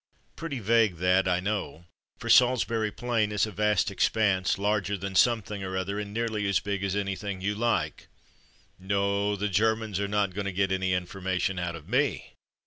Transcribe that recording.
Pretty vague, that, I know, for Salisbury Plain is a vast expanse, larger than some thing or other, and nearly as big as anything you like (no, the Germans are not going to get any information out of me)